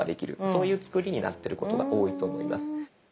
そういう作りになってることが多いと思います。